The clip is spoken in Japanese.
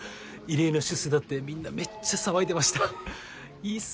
異例の出世だってみんなめっちゃ騒いでましたいいっすね。